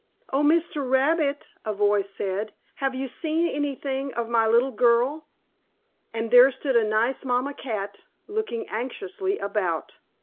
"Oh, Mr. Rabbit," a voice said, "have you seen anything of my little girl?" And there stood a nice mamma cat, looking anxiously about.